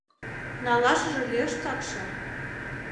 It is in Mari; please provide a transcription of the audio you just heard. — Налашыже лиеш такше...